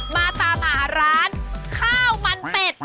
มาตามหาร้านข้าวมันเป็ด